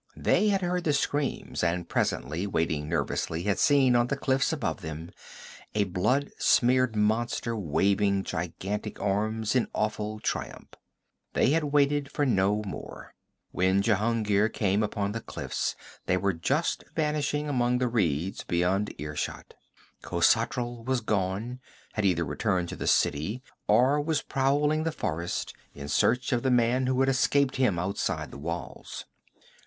They had heard the screams, and presently, waiting nervously, had seen, on the cliff above them, a blood smeared monster waving gigantic arms in awful triumph. They had waited for no more. When Jehungir came upon the cliffs they were just vanishing among the reeds beyond ear shot. Khosatral was gone had either returned to the city or was prowling the forest in search of the man who had escaped him outside the walls.